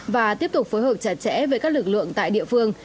và tiếp tục phối hợp chặt chẽ với các lực lượng tại địa phương